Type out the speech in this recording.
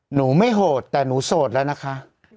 หนูไม่โหดแต่หนูโสดแล้วนะคะ